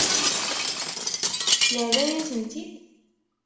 Yerra-yasen-tt-id?